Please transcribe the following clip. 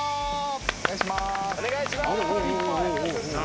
お願いします。